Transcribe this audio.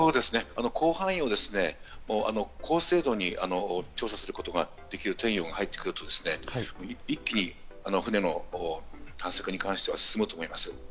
広範囲を高精度に調査することができる測量船が入ってくると一気にタスクに関しては進んでいくと思います。